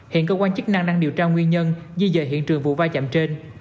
hiện cơ quan chức năng đang điều tra nguyên nhân di dời hiện trường vụ va chạm trên